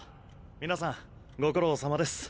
皆さんご苦労さまです。